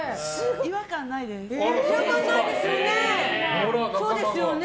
違和感ないですよね！